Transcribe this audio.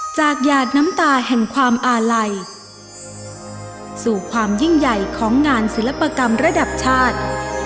หยาดน้ำตาแห่งความอาลัยสู่ความยิ่งใหญ่ของงานศิลปกรรมระดับชาติ